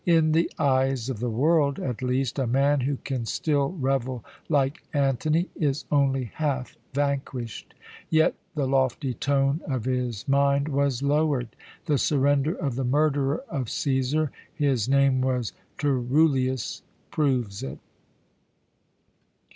In the eyes of the world, at least, a man who can still revel like Antony is only half vanquished. Yet the lofty tone of his mind was lowered. The surrender of the murderer of Cæsar his name was Turullius proves it.